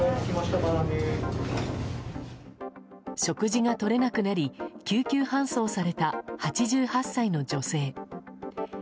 食事がとれなくなり救急搬送された８８歳の女性。